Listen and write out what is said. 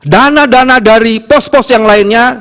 dana dana dari pos pos yang lainnya